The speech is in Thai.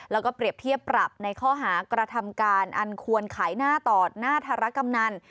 แล้วก็เปรียบเทียบปรับในข้อหากระทำการอันควรขายหน้าต่อหน้าธารกำนัน